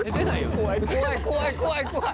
怖い怖い怖い怖い怖い。